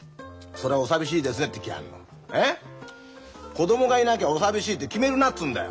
子供がいなきゃお寂しいって決めるなっつうんだよ。